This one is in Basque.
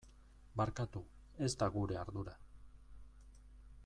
Barkatu, ez da gure ardura.